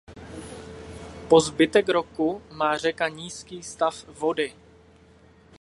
Po zbytek roku má řeka nízký stav vody.